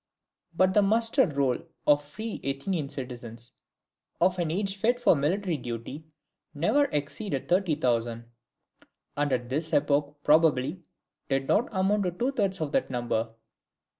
But the muster roll of free Athenian citizens of an age fit for military duty never exceeded thirty thousand, and at this epoch probably did not amount to two thirds of that number.